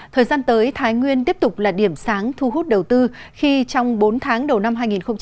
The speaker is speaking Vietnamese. thời gian tới thái nguyên tiếp tục là điểm sáng thu hút đầu tư khi trong bốn tháng đầu năm hai nghìn hai mươi